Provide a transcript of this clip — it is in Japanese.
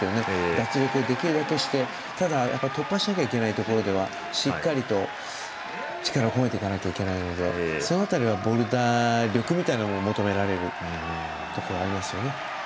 脱力できるだけして、ただ突破しなきゃいけないところではしっかりと力を出さなきゃいけないのでその辺りはボルダー力みたいなところも求められるところありますよね。